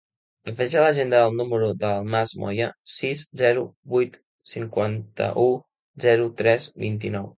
Afegeix a l'agenda el número de l'Almas Moya: sis, zero, vuit, cinquanta-u, zero, tres, vint-i-nou.